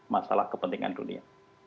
masalah kepentingan dunia